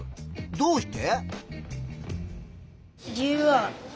どうして？